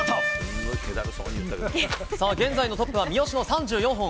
現在のトップ三好の３４本。